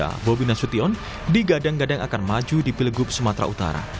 karena bobi nasution digadang gadang akan maju di pilgub sumatera utara